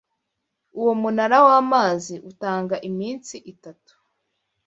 Uwo munara wamazi utanga iminsi itatu.